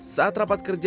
saat rapat kerja